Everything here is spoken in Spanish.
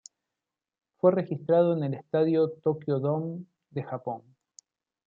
Fue registrado en el estadio Tokyo Dome de Japón.